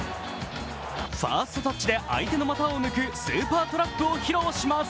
ファーストタッチで相手の股を抜くスーパーとラップを披露します。